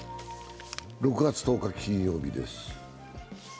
６月１０日金曜日です。